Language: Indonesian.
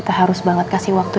kalau ini kita menyuruh